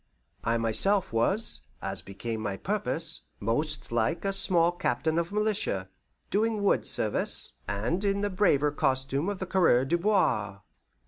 I myself was, as became my purpose, most like a small captain of militia, doing wood service, and in the braver costume of the coureur de bois.